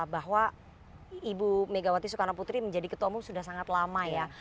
bahwa ibu megawati soekarno putri menjadi ketua umum sudah sangat lama ya